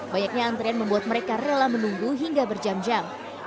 banyaknya antrean membuat mereka rela menunggu hingga berjam jam